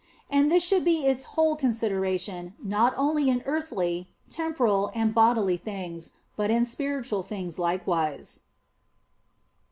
And this should be its whole consolation, not only in earthly, temporal, and bodily things, but in spiritual things likewise.